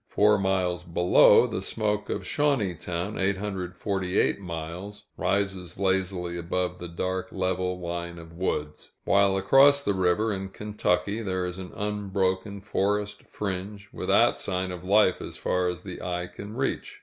Four miles below, the smoke of Shawneetown (848 miles) rises lazily above the dark level line of woods; while across the river, in Kentucky, there is an unbroken forest fringe, without sign of life as far as the eye can reach.